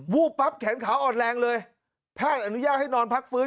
วูบปั๊บแขนขาวอ่อนแรงเลยแพทย์อนุญาตให้นอนพักฟื้น